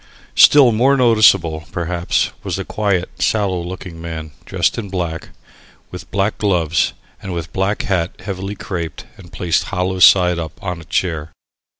Still more noticeable, perhaps, was the quiet, sallow looking man dressed in black, with black gloves and with black silk hat heavily craped and placed hollow side up on a chair.